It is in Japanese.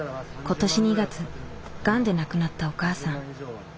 今年２月がんで亡くなったお母さん。